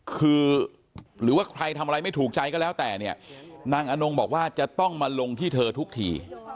คือหรือว่าใครทำอะไรไม่ถูกใจก็แล้วแต่เนี่ยนางอนงบอกว่าจะต้องมาลงที่เธอทุกที